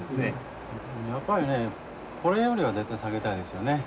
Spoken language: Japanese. やっぱりねこれよりは絶対下げたいですよね。